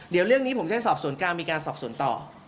เดี๋ยวเรื่องนี้ผมจะสอบสวนกลางมีการสอบสวนต่อ